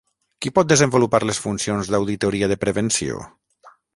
Qui pot desenvolupar les funcions d'auditoria de prevenció?